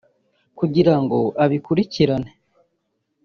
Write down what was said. kugira ngo abikurikirane